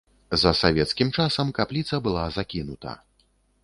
За савецкім часам капліца была закінута.